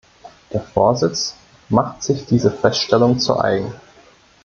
Der Vorsitz macht sich diese Feststellung zu Eigen.